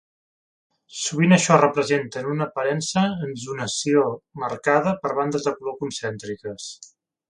Sovint això representa en una aparença en zonació marcada per bandes de color concèntriques.